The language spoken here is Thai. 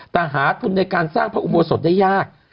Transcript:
แต่หาทุนในการสร้างพระอุโบสถได้ยาก